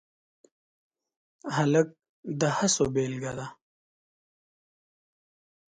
هلک د هڅو بیلګه ده.